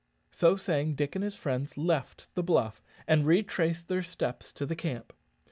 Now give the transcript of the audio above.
So saying, Dick and his friends left the bluff, and retraced their steps to the camp.